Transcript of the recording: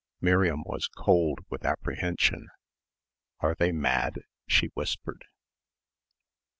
Miriam was cold with apprehension. "Are they mad?" she whispered.